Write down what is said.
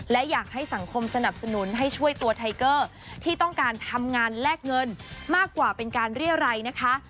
และอยากให้สังคมสนับสนุนให้ช่วยตัวไทเกอร์ที่ต้องการทำงานแลกเงินมากกว่าเป็นการเรียรัยนะคะ